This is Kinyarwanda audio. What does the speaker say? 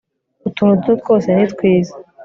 utuntu duto twose ni twiza